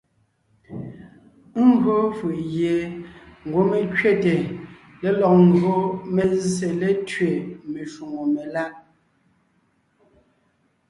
Ńgÿo fʉ̀ʼ gie ngwɔ́ é kẅéte lélɔg ńgÿo mé zsé létẅé meshwóŋè meláʼ.